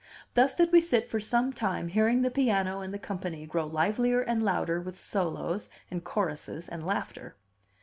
Thus did we sit for some time, hearing the piano and the company grow livelier and louder with solos, and choruses, and laughter.